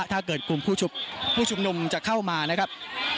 ถ้าเกิดกลุ่มผู้ชมนุมจะเข้ามานะครับ